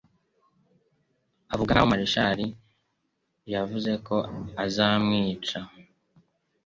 Avuga nk'aho Marshall yavuze ko azamwica